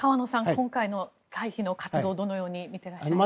今回の退避の活動をどのように見ていますか。